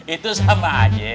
itu sama aja